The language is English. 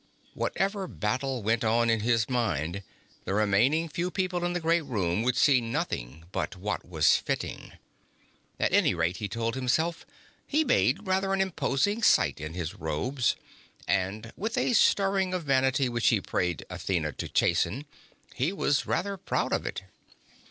Whatever battle went on in his mind, the remaining few people in the great room would see nothing but what was fitting. At any rate, he told himself, he made rather an imposing sight in his robes, and, with a stirring of vanity which he prayed Athena to chasten, he was rather proud of it.